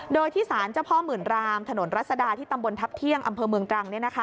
โดยที่สารเจ้าพ่อหมื่นรามถนนรัศดาที่ตำบลทัพเที่ยงอำเภอเมืองตรัง